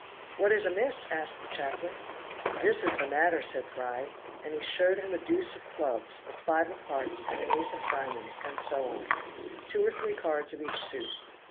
"What is amiss?" asked the chaplain. "This is the matter," said Fry, and he showed him a deuce of clubs, a five of hearts and an ace of diamonds, and so on; two or three cards of each suit.